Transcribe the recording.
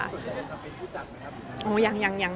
สนใจเธอเป็นผู้จัดไหมครับ